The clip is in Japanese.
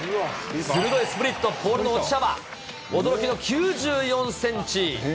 鋭いスプリット、ボールの落ち幅、驚きの９４センチ。